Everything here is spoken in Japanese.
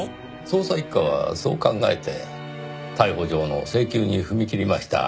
捜査一課はそう考えて逮捕状の請求に踏みきりました。